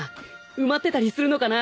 埋まってたりするのかな。